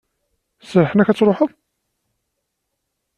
Serrḥen-ak ad truḥeḍ?